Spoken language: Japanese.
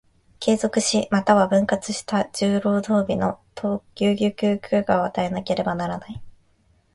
継続し、又は分割した十労働日の有給休暇を与えなければならない。